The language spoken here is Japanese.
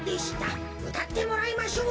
うたってもらいましょう。